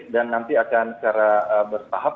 dan nanti akan secara bertahap